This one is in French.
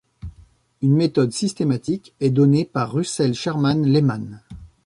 Une méthode systématique est donnée par Russell Sherman Lehman.